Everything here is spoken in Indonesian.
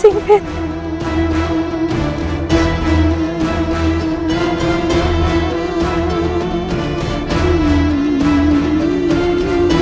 ya aku sudah melakukannya